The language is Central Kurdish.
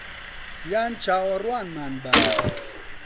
یان چاوەڕوانمان بە